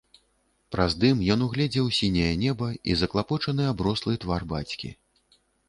Праз дым ён угледзеў сіняе неба і заклапочаны аброслы твар бацькі.